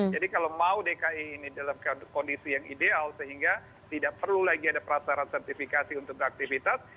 jadi kalau mau dki ini dalam kondisi yang ideal sehingga tidak perlu lagi ada prasarat sertifikasi untuk aktivitas